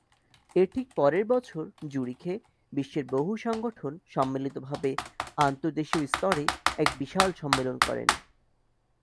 এর ঠিক পরের বছর জুরিখে বিশ্বের বহু সংগঠন সম্মিলিত ভাবে আন্তর্দেশীয় স্তরে এক বিশাল সম্মেলন করেন।